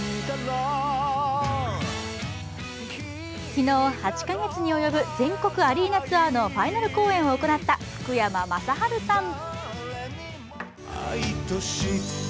昨日、８カ月に及ぶ全国アリーナツアーのファイナル公演を行った福山雅治さん。